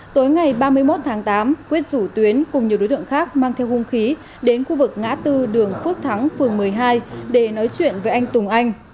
tối ngày ba mươi một tháng tám quyết rủ tuyến cùng nhiều đối tượng khác mang theo hung khí đến khu vực ngã tư đường phước thắng phường một mươi hai để nói chuyện với anh tùng anh